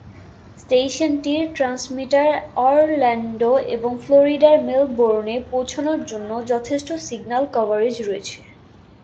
স্টেশনটির transmitter Orlando এবং ফ্লোরিডার মেলবোর্নে পৌঁছানোর জন্য যথেষ্ট সিগন্যাল কভারেজ রয়েছে।